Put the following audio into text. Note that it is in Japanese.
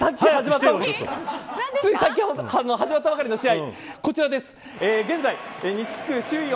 つい先ほど始まったばかりの試合